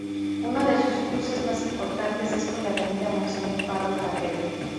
Uno de sus cruces más importantes es con la avenida Monseñor Pablo Cabrera.